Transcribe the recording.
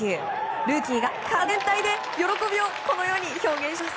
ルーキーが体全体で喜びを、このように表現します。